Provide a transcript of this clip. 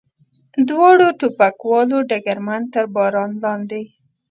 دواړو ټوپکوالو ډګرمن تر باران لاندې.